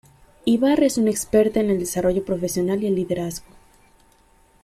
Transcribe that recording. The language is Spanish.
Ibarra es una experta en el desarrollo profesional y el liderazgo.